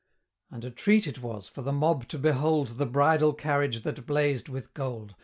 And a treat it was for the mob to behold The Bridal Carriage that blazed with gold!